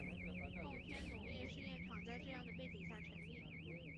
奉天农业试验场在这样的背景下成立。